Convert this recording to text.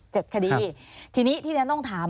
เจ็ดคดีทีนี้ที่นั้นต้องถาม